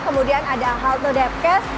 kemudian ada halte depkes